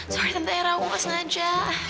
sorry tante erang gue sengaja